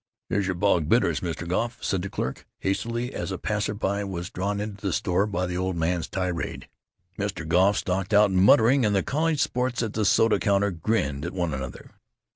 "Here's your Bog Bitters, Mr. Goff," said the clerk, hastily, as a passer by was drawn into the store by the old man's tirade. Mr. Goff stalked out, muttering, and the college sports at the soda counter grinned at one another.